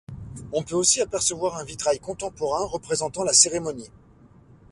On peut aussi apercevoir un vitrail contemporain représentant la cérémonie.